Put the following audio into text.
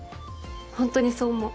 ホントにそう思う。